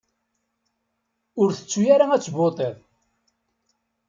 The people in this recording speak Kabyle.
Ur tettu ara ad tvuṭiḍ!